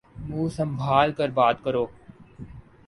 منہ سنمبھال کر بات کرو۔